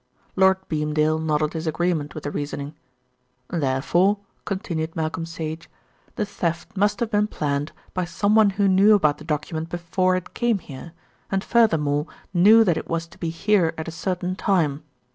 Lord Beamdale nodded his agreement with the reasoning. "Therefore," continued Malcolm Sage, "the theft must have been planned by someone who knew about the document before it came here, and furthermore knew that it was to be here at a certain time.